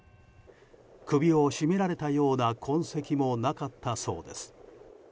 首を絞められたような痕跡もなかったそうです。